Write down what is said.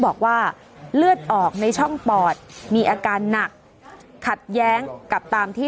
บอกว่าเลือดออกในช่องปอดมีอาการหนักขัดแย้งกับตามที่